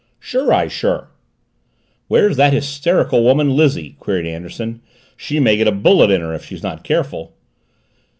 "Sure, I sure!" "Where's that hysterical woman Lizzie?" queried Anderson. "She may get a bullet in her if she's not careful."